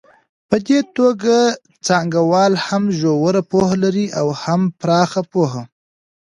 په دې توګه څانګوال هم ژوره پوهه لري او هم پراخه پوهه.